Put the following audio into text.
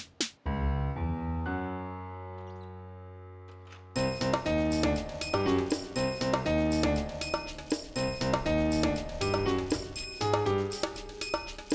jangan lupa rambutnya digerai